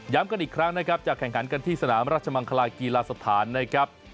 กันอีกครั้งนะครับจะแข่งขันกันที่สนามราชมังคลากีฬาสถานนะครับ